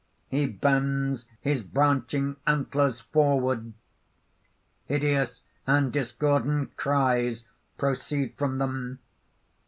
(_He bends his branching antlers forward: hideous and discordant cries proceed from them.